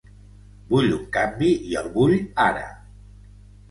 Vull un canvi i el vull ara.